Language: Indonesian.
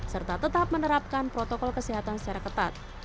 serta tetap menerapkan protokol kesehatan secara ketat